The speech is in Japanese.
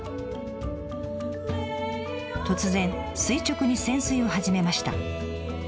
突然垂直に潜水を始めました。